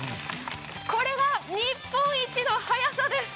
これが日本一の速さです。